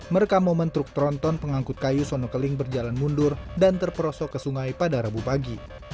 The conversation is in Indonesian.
merekam momen truk tronton pengangkut kayu sonokeling berjalan mundur dan terperosok ke sungai pada rabu pagi